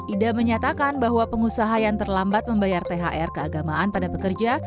ida menyatakan bahwa pengusaha yang terlambat membayar thr keagamaan pada pekerja